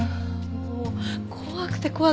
もう怖くて怖くて。